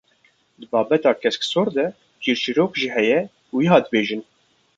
Di babetê keskesor de çîrçîrok jî heye û wiha dibêjin.